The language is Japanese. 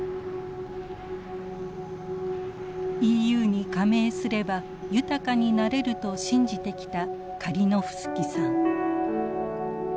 ＥＵに加盟すれば豊かになれると信じてきたカリノフスキさん。